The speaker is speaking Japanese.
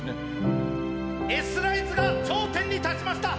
Ｓライズが頂点に立ちました！